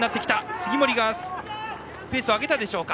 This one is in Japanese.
杉森がペースを上げたでしょうか。